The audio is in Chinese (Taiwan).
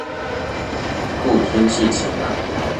故天氣晴朗